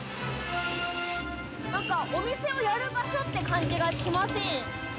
何かお店をやる場所って感じがしません。